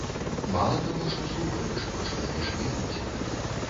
Мала таго, што слухаеш, пачынаеш верыць.